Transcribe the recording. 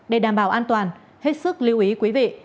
để đảm bảo an toàn hết sức lưu ý quý vị